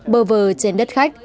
bờ vờ trên đất khách